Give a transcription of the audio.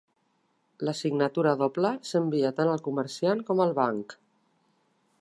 La signatura doble s'envia tant al comerciant com al banc.